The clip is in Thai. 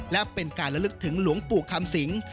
และเป็นการระลึกถึงหลวงปู่คำสิง